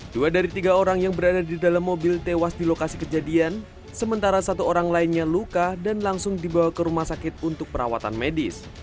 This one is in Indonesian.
dua dari tiga orang yang berada di dalam mobil tewas di lokasi kejadian sementara satu orang lainnya luka dan langsung dibawa ke rumah sakit untuk perawatan medis